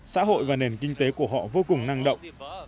xã hội và nền kinh tế của họ vô cùng năng động